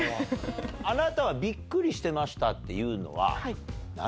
「あなたはビックリしてました」っていうのは。